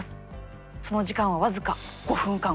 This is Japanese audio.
その時間は僅か５分間。